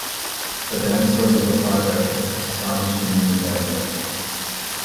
The dinosaurs of the park are astonishingly diverse.